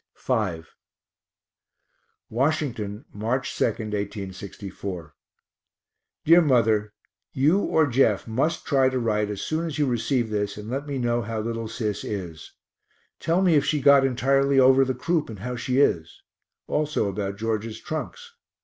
V Washington, March 2, 1864. DEAR MOTHER You or Jeff must try to write as soon as you receive this and let me know how little Sis is. Tell me if she got entirely over the croup and how she is also about George's trunks.